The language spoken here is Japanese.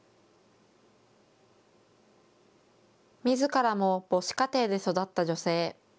みずからも母子家庭で育った女性。